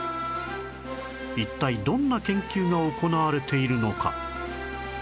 一体どんな研究が行われているのか？